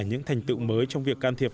những thành tựu mới trong việc can thiệp